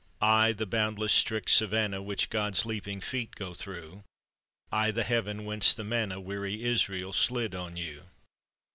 I, the boundless strict savannah Which God's leaping feet go through; I, the heaven whence the Manna, Weary Israel, slid on you!